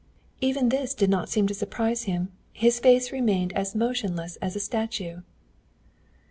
"Even this did not seem to surprise him. His face remained as motionless as a statue.